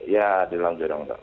ya di dalam jurang mbak